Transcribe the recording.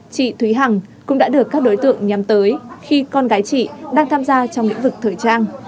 chị thúy hằng cũng đã được các đối tượng nhắm tới khi con gái chị đang tham gia trong lĩnh vực thời trang